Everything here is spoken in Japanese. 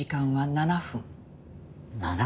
７分。